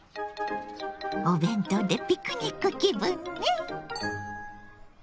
お弁当でピクニック気分ね！